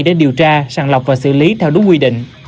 để điều tra sàng lọc và xử lý theo đúng quy định